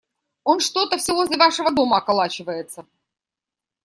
Он что-то все возле вашего дома околачивается.